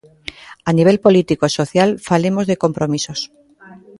A nivel político e social falemos de compromisos.